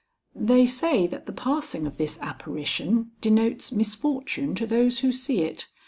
"They say that the passing of this apparition denotes misfortune to those who see it.